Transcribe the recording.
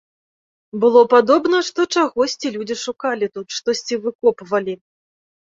Было падобна, што чагосьці людзі шукалі тут, штосьці выкопвалі.